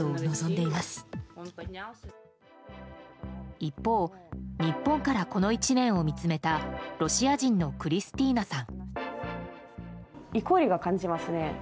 一方日本からこの１年を見つめたロシア人のクリスティーナさん。